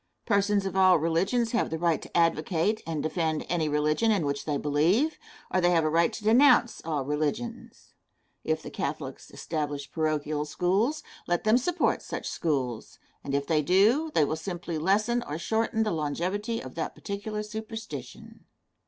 Persons of all religions have the right to advocate and defend any religion in which they believe, or they have the right to denounce all religions. If the Catholics establish parochial schools, let them support such schools; and if they do, they will simply lessen or shorten the longevity of that particular superstition.